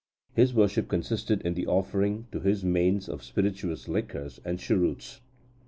His worship consisted in the offering to his manes of spirituous liquors and cheroots."